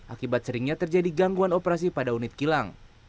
akibat seringnya terjadi gangguan operasi pada unit kilang